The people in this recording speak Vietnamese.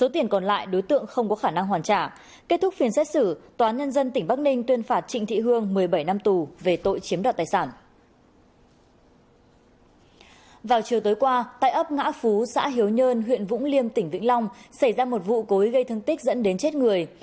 trước khi bắt ngã phú xã hiếu nhơn huyện vũng liêm tỉnh vĩnh long xảy ra một vụ cối gây thương tích dẫn đến chết người